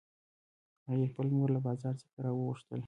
هغې خپله مور له بازار څخه راوغوښتله